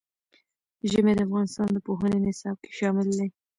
ژمی د افغانستان د پوهنې نصاب کې شامل دي.